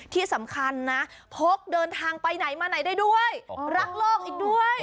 ที่สำคัญนะพกเดินทางไปไหนมาไหนได้ด้วยรักโลกอีกด้วย